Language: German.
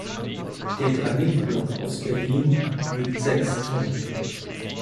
Der Granitblock aus Berlin wiegt sechs Tonnen.